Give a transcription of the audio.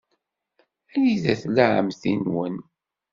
Anida tella ɛemmti-nwen?